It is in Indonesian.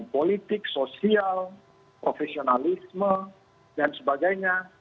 politik sosial profesionalisme dan sebagainya